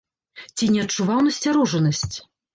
Ці не адчуваў насцярожанасць?